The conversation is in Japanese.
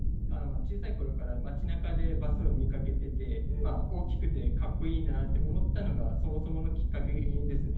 小さい頃から街中でバスを見かけてて大きくてかっこいいなって思ったのがそもそものきっかけですね。